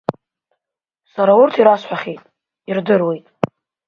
Сара урҭ ирасҳәахьеит, ирдыруеит…